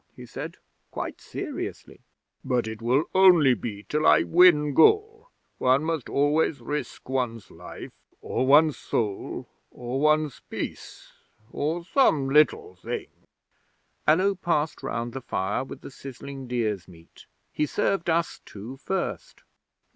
he said, quite seriously. "But it will only be till I win Gaul. One must always risk one's life, or one's soul, or one's peace or some little thing." 'Allo passed round the fire with the sizzling deer's meat. He served us two first.